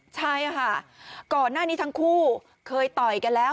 ใช่ค่ะก่อนหน้านี้ทั้งคู่เคยต่อยกันแล้ว